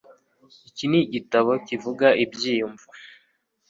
Iki ni igitabo kivuga ibyiyumvo